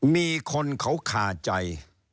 มีคนเขาคาใจ